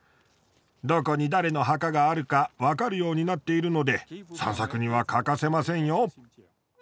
どこに誰の墓があるかわかるようになっているので散策には欠かせませんよ。